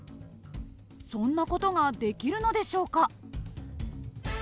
そんな事ができるのでしょうか？